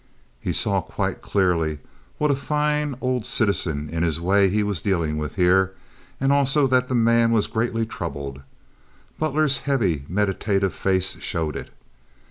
He saw quite clearly what a fine old citizen in his way he was dealing with here, and also that the man was greatly troubled. Butler's heavy, meditative face showed it.